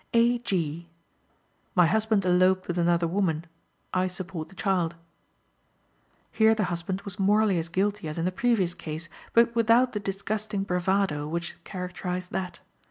A. G.: "My husband eloped with another woman. I support the child." Here the husband was morally as guilty as in the previous case, but without the disgusting bravado which characterized that.